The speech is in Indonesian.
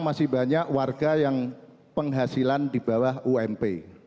masih banyak warga yang penghasilan di bawah ump